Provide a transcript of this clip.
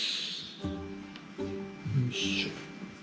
よいしょ。